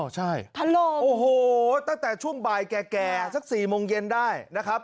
ใช่ถล่มโอ้โหตั้งแต่ช่วงบ่ายแก่สัก๔โมงเย็นได้นะครับ